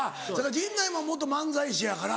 陣内も漫才師やから。